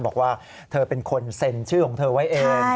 บอกว่าเธอเป็นคนเซ็นชื่อของเธอไว้เอง